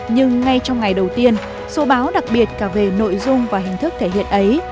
nhưng ngay trong ngày đầu tiên số báo đặc biệt cả về nội dung và hình thức thể hiện ấy